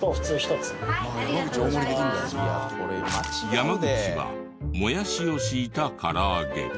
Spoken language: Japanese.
山口はもやしを敷いたからあげ。